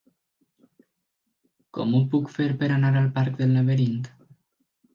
Com ho puc fer per anar al parc del Laberint?